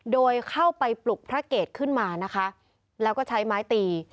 โดยเข้าไปปลุกพระเกตขึ้นมานะคะแล้วก็ใช้ไม้ตี